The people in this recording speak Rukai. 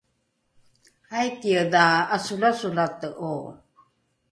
aikiedha ’asolasolate’o?